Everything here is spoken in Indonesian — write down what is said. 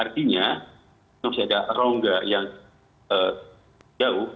artinya kalau saya ada rongga yang jauh